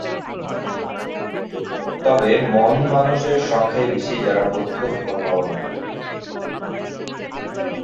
তবে মন মানুষের সংখ্যাই বেশি যারা বৌদ্ধ ধর্মালম্বী।